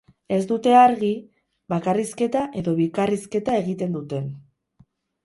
Ez dute argi bakarrizketa edo bikarrizketa egiten duten.